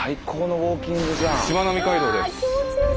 しまなみ海道です。